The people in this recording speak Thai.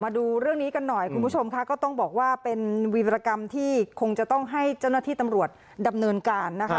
มาดูเรื่องนี้กันหน่อยคุณผู้ชมค่ะก็ต้องบอกว่าเป็นวีรกรรมที่คงจะต้องให้เจ้าหน้าที่ตำรวจดำเนินการนะคะ